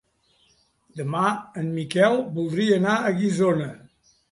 Demà en Miquel voldria anar a Guissona.